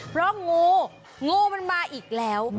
เพราะงูงูมันมาอีกแล้ว